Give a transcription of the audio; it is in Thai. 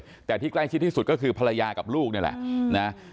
แต่ที่ใกล้ชิดที่สุดก็คือภรรยากับลูกนี่แหละนะ